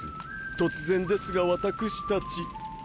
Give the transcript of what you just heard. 突然ですが私たち。